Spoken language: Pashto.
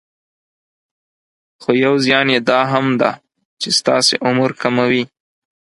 خو يو زيان يي دا هم ده چې ستاسې عمر کموي.